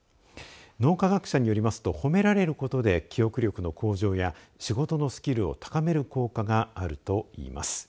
脳科学者によりますと褒められることで記憶力の向上や仕事のスキルを高める効果があるといいます。